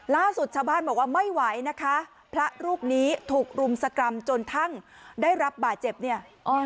ล่าสุดชาวบ้านบอกว่าไม่ไหวนะคะพระรูปนี้ถูกรุมสกรรมจนทั้งได้รับบาดเจ็บเนี่ย